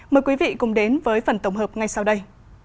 mời quý vị cùng đến với phần tổng hợp ngay sau đây